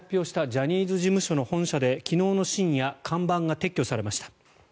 社名の変更を発表したジャニーズ事務所の本社で昨日の深夜看板が撤去されました。